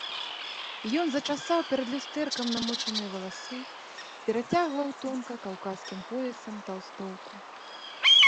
Ён зачасаў перад люстэркам намочаныя валасы, перацягваў тонка каўказскім поясам талстоўку.